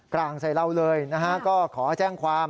กลางใส่เราเลยนะฮะก็ขอแจ้งความ